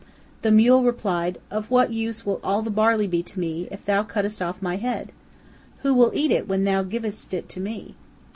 The mule replied, 'Of what use will all the barley be to me, if thou cuttest off my head? Who will eat it when thou givest it to me?'